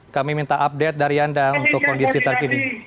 kami minta update dari anda untuk kondisi terkini